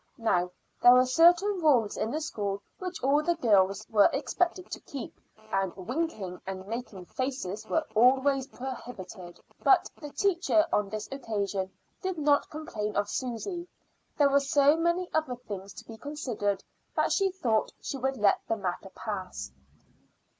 Now, there were certain rules in the school which all the girls were expected to keep, and winking and making faces were always prohibited. But the teacher on this occasion did not complain of Susy; there were so many other things to be considered that she thought she would let the matter pass.